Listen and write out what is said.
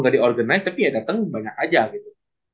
gak diorganize tapi ya dateng banyak aja gitu